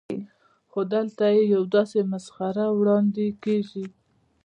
خو دلته یوه داسې مسخره وړاندې کېږي.